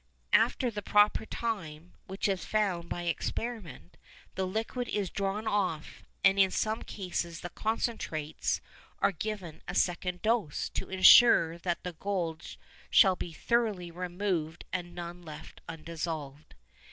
After the proper time, which is found by experiment, the liquid is drawn off, and in some cases the concentrates are given a second dose to ensure that the gold shall be thoroughly removed and none left undissolved.